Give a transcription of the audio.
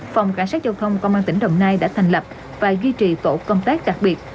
phòng cảnh sát giao thông công an tỉnh đồng nai đã thành lập và duy trì tổ công tác đặc biệt